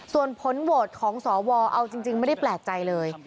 ส่วนผลโหวตของสวเอาจริงไม่ได้แปลกใจเลย